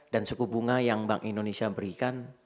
dan suku bunga yang bank indonesia berikan